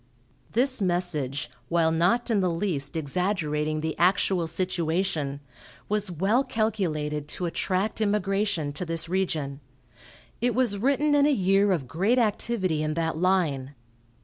This message, while not in the least exaggerating the actual situation, was well calculated to attract immigration to this region. It was written in a year of great activity in that line.